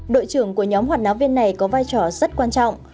đội trưởng của nhóm hoạt náo viên này có vai trò rất quan trọng